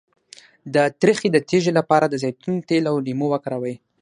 د تریخي د تیږې لپاره د زیتون تېل او لیمو وکاروئ